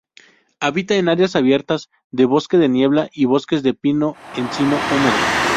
Habita en áreas abiertas de bosque de niebla y bosques de pino-encino húmedos.